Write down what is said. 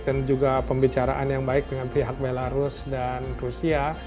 dan juga pembicaraan yang baik dengan pihak belarus dan rusia